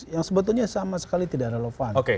yang sebetulnya sama sekali tidak relevan